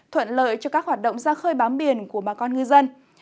thuận lợi cho các hoạt động ra khơi bám biển của bà con ngư dân